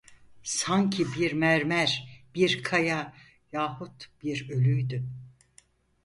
Sanki bir mermer, bir kaya yahut bir ölüydü.